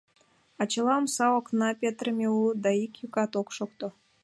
А чыла омса, окна петырыме улыт да ик йӱкат ок шокто.